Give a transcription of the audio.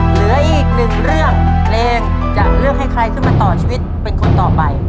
เหลืออีกหนึ่งเรื่องเพลงจะเลือกให้ใครขึ้นมาต่อชีวิตเป็นคนต่อไป